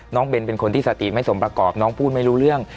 เบนเป็นคนที่สติไม่สมประกอบน้องพูดไม่รู้เรื่อง